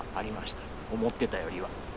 思ってたよりは。